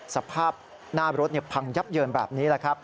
สภาพหน้ารถผังยับเยินแบบนี้